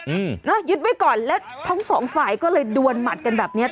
อืมเนอะยึดไว้ก่อนแล้วทั้งสองฝ่ายก็เลยดวนหมัดกันแบบเนี้ย